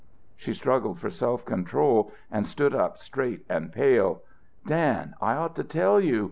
She struggled for self control and stood up straight and pale. "Dan, I ought to tell you.